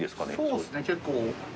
そうですね結構。